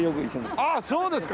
ああそうですか！